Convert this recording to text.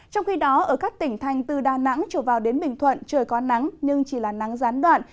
trong khi đó ở các tỉnh thành từ đà nẵng trở vào đến bình thuận trời có nắng nhưng chỉ là nắng gián đoạn